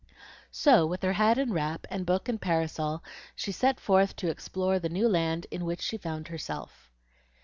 So, with her hat and wrap, and book and parasol, she set forth to explore the new land in which she found herself.